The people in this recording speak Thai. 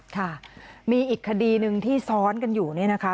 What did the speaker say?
ค่ะมีอีกคดีหนึ่งที่ซ้อนกันอยู่เนี่ยนะคะ